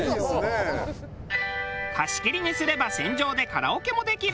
貸し切りにすれば船上でカラオケもできる。